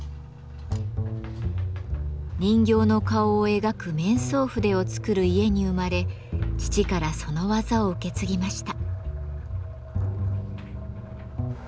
人形の顔を描く「面相筆」を作る家に生まれ父からその技を受け継ぎました。